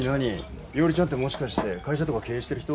伊織ちゃんってもしかして会社とか経営してる人？